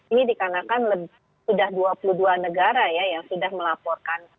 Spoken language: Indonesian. ini dikarenakan sudah dua puluh dua negara ya yang sudah melaporkan